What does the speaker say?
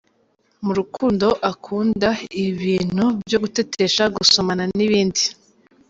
Mu rukundo, akunda ibintu byo gutetesha, gusomana n’ibindi.